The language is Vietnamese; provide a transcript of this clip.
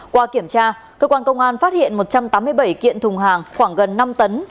qua kiểm tra cơ quan công an phát hiện một trăm tám mươi bảy kiện thùng hàng khoảng gần năm tấn